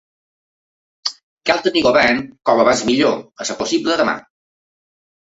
Cal tenir govern com abans millor, a ser possible demà.